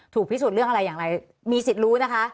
พิสูจน์เรื่องอะไรอย่างไรมีสิทธิ์รู้นะคะ